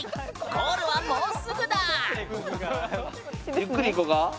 ゴールはもうすぐだ！